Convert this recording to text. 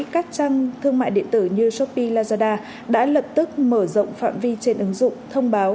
các trang thương mại điện tử như shopee lazada đã lập tức mở rộng phạm vi trên ứng dụng thông báo